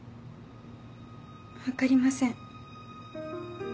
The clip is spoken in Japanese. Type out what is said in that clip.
分かりません